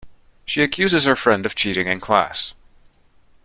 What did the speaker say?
She accuses her friend of cheating in class.